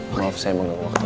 maaf saya mengganggu waktu